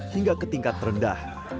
hingga ke tingkat terendah